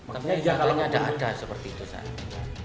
makanya katanya ada seperti itu